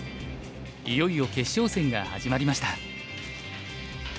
いよいよ決勝戦が始まりました。